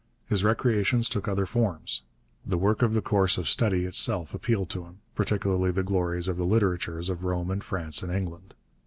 His recreations took other forms. The work of the course of study itself appealed to him, particularly the glories of the literatures of Rome and France and England.